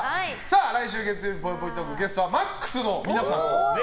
来週月曜日、ぽいぽいトークゲストはＭＡＸの皆さん。